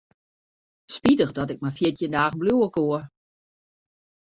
Spitich dat ik mar fjirtjin dagen bliuwe koe.